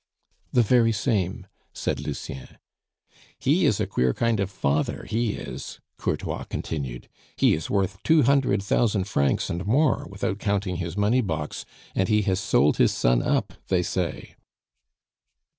"The very same," said Lucien. "He is a queer kind of father, he is!" Courtois continued. "He is worth two hundred thousand francs and more, without counting his money box, and he has sold his son up, they say."